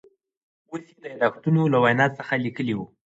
اوس یې د یاداشتونو له وینا څخه لیکلي و.